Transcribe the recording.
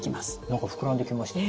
何か膨らんできました。